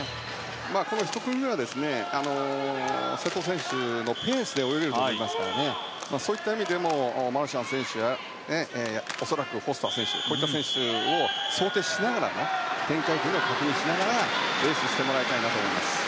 この１組目は、瀬戸選手のペースで泳げると思いますからそういった意味でもマルシャン選手や恐らくフォスター選手などこういった選手を想定しながら展開を確認しながらレースをしてもらいたいなと思います。